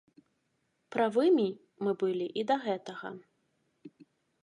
Правымі мы былі і да гэтага.